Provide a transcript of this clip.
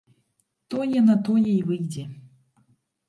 Тое на тое й выйдзе.